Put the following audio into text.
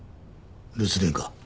留守電か？